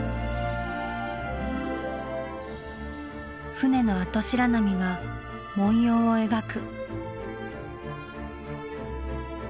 船のあと白波が文様を描く。